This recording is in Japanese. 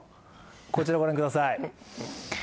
こちらご覧ください。